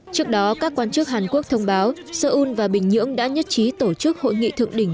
trước đó các quan chức hàn quốc thông báo seoul và bình nhưỡng đã nhất trí tổ chức hội nghị thượng đỉnh